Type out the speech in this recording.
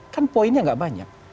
kan poinnya nggak banyak